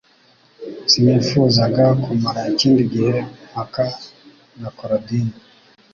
Sinifuzaga kumara ikindi gihe mpaka na Korodina